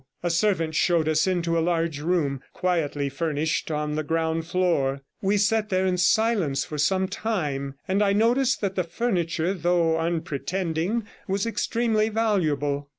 A servant showed us into a large room, quietly furnished, on the ground floor. We sat there in silence for some time, and I noticed that the furniture, though unpretending, was extremely valuable.